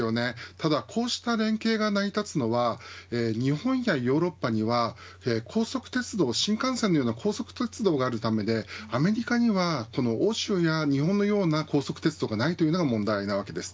ただこうした連携が成り立つのは日本やヨーロッパには高速鉄道、新幹線のような高速鉄道があるためでアメリカには欧州や日本のような高速鉄道がないというのが問題点です。